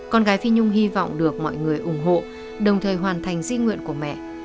con gái phi nhung hy vọng được mọi người ủng hộ đồng thời hoàn thành di nguyện của mẹ